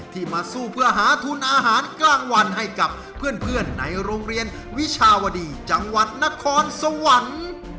มาสู้เพื่อหาทุนอาหารกลางวันให้กับเพื่อนในโรงเรียนวิชาวดีจังหวัดนครสวรรค์